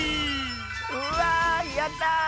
うわやった！